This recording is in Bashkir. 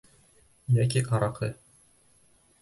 Йәки араҡы!